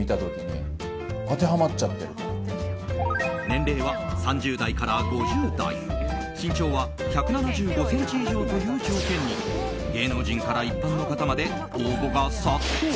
年齢は３０代から５０代身長は１７５ｃｍ以上という条件に芸能人から一般の方まで応募が殺到。